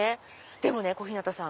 でもね小日向さん。